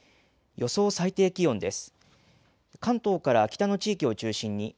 予想最低気温です。